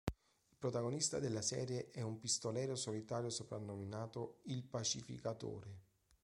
Il protagonista della serie è un pistolero solitario soprannominato "il pacificatore".